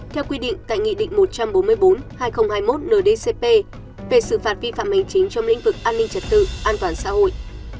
theo quy định tại nghị định một trăm bốn mươi bốn hai nghìn hai mươi một ndcp về sự phạt vi phạm hành chính trong lĩnh vực an ninh trật tự an toàn xã hội